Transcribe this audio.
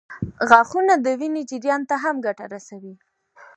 غاښونه د وینې جریان ته هم ګټه رسوي.